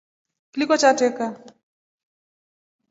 Kliko chatreka.